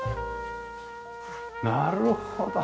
なるほど。